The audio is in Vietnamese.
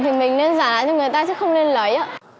thì mình nên giả lại cho người ta chứ không nên lấy